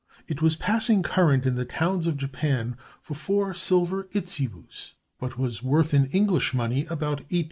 It was passing current in the towns of Japan for four silver itzebus, but was worth in English money about 18_s.